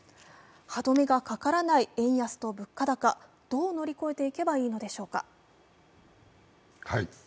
歯どめがかからない円安と物価高、どう乗り越えていけばいいのでしょうか。